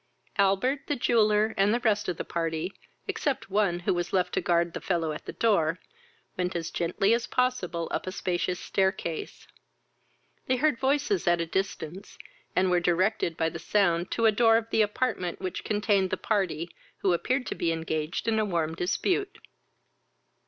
Albert, the jeweller, and the rest of the party, except one, who was left to guard the fellow at the door, went as gently as possible up a spacious staircase. They heard voices at a distance, and were directed by the sound to a door of the apartment which contained the party, who appeared to be engaged in a warm dispute.